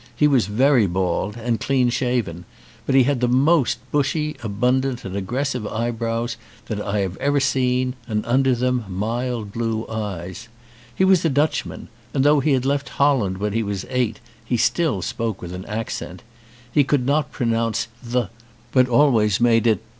He was very bald, and clean shaven; but he had the most bushy, abun dant, and aggressive eyebrows that I have ever seen, and under them mild blue eyes. He was a Dutchman and though he had left Holland when he was eight, he still spoke with an accent. He could not pronounce th, but always made it d.